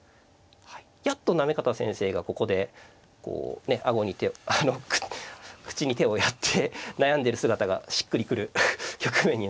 やっと行方先生がここでこうね顎に手をあの口に手をやって悩んでる姿がしっくりくる局面になりました。